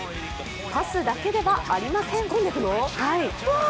パスだけではありません。